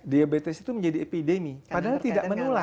diabetes itu menjadi epidemi padahal tidak menular